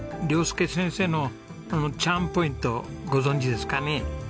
亮佑先生のあのチャームポイントご存じですかね？